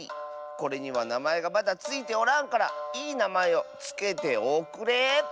これにはなまえがまだついておらんからいいなまえをつけておくれ。